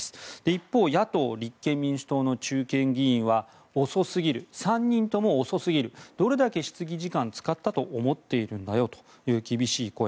一方野党・立憲民主党の中堅議員は遅すぎる、３人とも遅すぎるどれだけ質疑時間使ったと思っているんだよという厳しい声。